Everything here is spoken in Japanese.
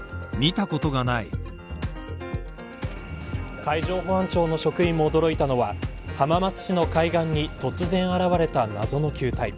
海上保安庁の職員も驚いたのは浜松市の海岸に突然現れた謎の球体。